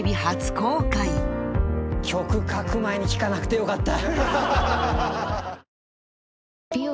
曲書く前に聴かなくてよかった。